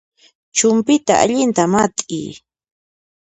Chumpyta allinta mat'iy